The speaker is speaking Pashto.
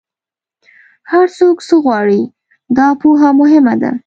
هر څوک څه غواړي، دا پوهه مهمه ده.